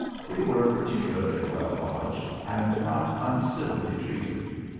We were particularly well lodged, and not uncivilly treated.